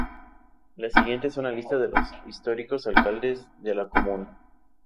La siguiente es una lista de los históricos alcaldes de la comuna.